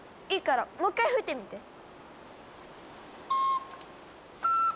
いいからもう一回吹いてみて。